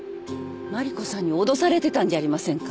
麻里子さんに脅されてたんじゃありませんか？